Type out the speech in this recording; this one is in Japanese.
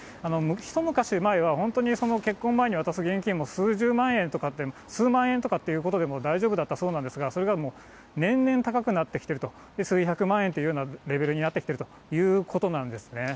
一昔前は本当に、結婚前に渡す現金も数十万円とかって、数万円とかっていうことでも大丈夫だったそうなんですが、それがもう、年々高くなってきていると、数百万円というレベルになってきているということなんですね。